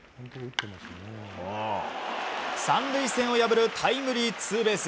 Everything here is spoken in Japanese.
３塁線を破るタイムリーツーベース。